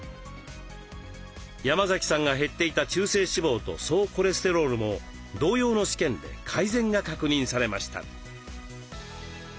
山崎さんが減っていた中性脂肪と総コレステロールも同様の試験で改善が確認されました。